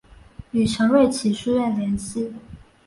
与陈瑞祺书院联系。